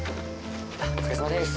お疲れさまです。